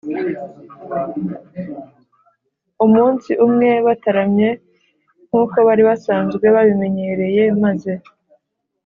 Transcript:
Umunsi umwe, bataramye nk’uko bari basanzwe babimenyereye maze